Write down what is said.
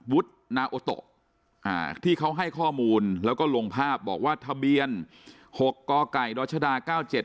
นาโอโตะที่เขาให้ข้อมูลแล้วก็ลงภาพบอกว่าทะเบียน๖กไก่ดชดา๙๗